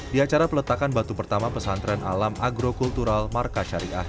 di acara peletakan batu pertama pesantren alam agrokultural markas syariah